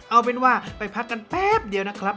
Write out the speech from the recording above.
เอาเป็นว่าไปพักกันแป๊บเดียวนะครับ